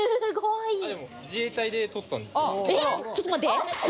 自衛隊で取ったんです。